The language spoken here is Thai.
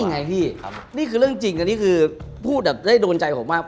นี่ไงพี่นี่คือเรื่องจริงนี่คือพูดแบบได้โดนใจผมมาก